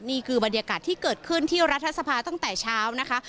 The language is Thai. นี่คือบรรยากาศที่เกิดขึ้นที่รัฐสภาตั้งแต่เช้านะคะ